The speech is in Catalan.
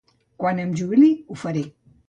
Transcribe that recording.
Quan em jubili ho faré.